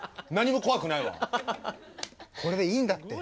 これでいいんだって。